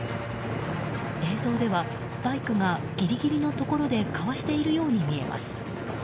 映像ではバイクがギリギリのところでかわしているように見えます。